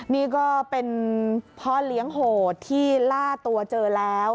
นี่ก็เป็นพ่อเลี้ยงโหดที่ล่าตัวเจอแล้ว